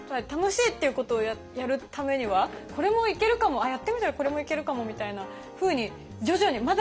楽しいっていうことをやるためにはこれもイケるかもやってみたらこれもイケるかもみたいなふうに徐々に。